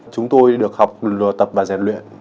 chúng tôi được học tập và rèn luyện